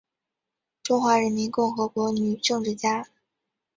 中华人民共和国女政治家。